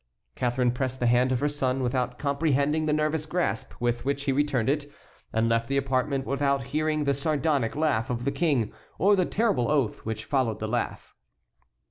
Catharine pressed the hand of her son without comprehending the nervous grasp with which he returned it, and left the apartment without hearing the sardonic laugh of the King, or the terrible oath which followed the laugh.